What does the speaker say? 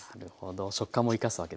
食感も生かすわけですね。